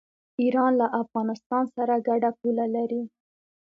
ایران له افغانستان سره ګډه پوله لري.